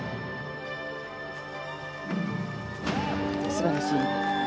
素晴らしい。